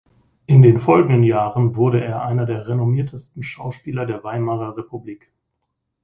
In den folgenden Jahren wurde er einer der renommiertesten Schauspieler der Weimarer Republik.